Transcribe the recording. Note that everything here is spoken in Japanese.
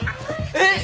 えっ！？